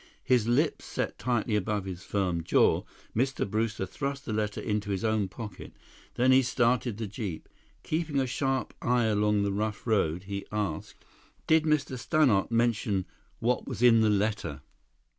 His lips set tightly above his firm jaw, Mr. Brewster thrust the letter into his own pocket; then he started the jeep. Keeping a sharp eye along the rough road, he asked: "Did Mr. Stannart mention what was in the letter?"